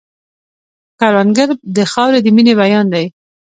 کروندګر د خاورې د مینې بیان دی